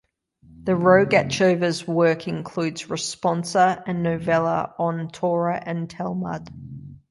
The Rogatchover's works include responsa and novellae on Torah and Talmud.